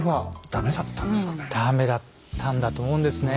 駄目だったんだと思うんですね。